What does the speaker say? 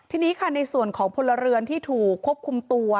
ทีนี้ค่ะในส่วนของพลเรือนที่ถูกควบคุมตัว